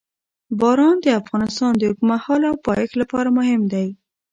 باران د افغانستان د اوږدمهاله پایښت لپاره مهم دی.